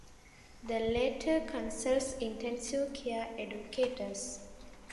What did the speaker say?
The latter consults intensive care educators.